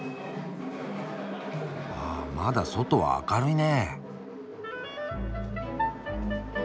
あっまだ外は明るいね。